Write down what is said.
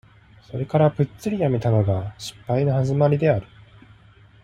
それからプッツリやめたのが、失敗の始まりである。